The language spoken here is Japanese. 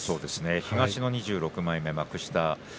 東の２６枚目幕下。